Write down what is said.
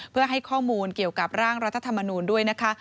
เพื่อให้ข้อมูลเกี่ยวกับร่างรัฐธรรมนูลด้วยนะคะ